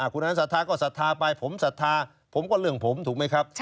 คุณอันศรัทธาก็ศรัทธาไปผมศรัทธาผมก็เรื่องผมถูกไหมครับ